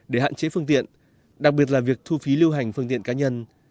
để hạn chế phương tiện đặc biệt là việc thu phí lưu hành phương tiện cá nhân